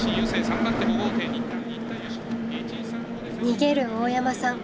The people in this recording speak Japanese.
逃げる大山さん